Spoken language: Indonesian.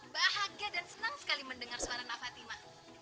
bahagia dan senang sekali mendengar suara nak fatima